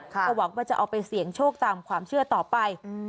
ก็หวังว่าจะเอาไปเสี่ยงโชคตามความเชื่อต่อไป